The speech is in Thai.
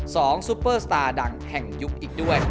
ซุปเปอร์สตาร์ดังแห่งยุคอีกด้วย